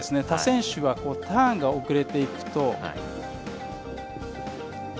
他選手はターンが遅れていくと。